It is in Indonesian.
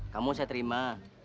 kamu saya terima